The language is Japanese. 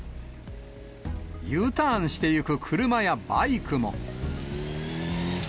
Ｕターンをしていく車やバイクも。